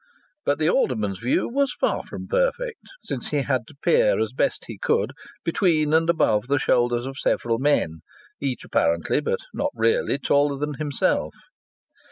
But the Alderman's view was far from perfect, since he had to peer as best he could between and above the shoulders of several men, each apparently, but not really, taller than himself.